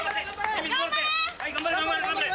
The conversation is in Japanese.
頑張れ頑張れ頑張れ。